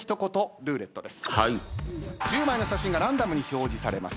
１０枚の写真がランダムに表示されます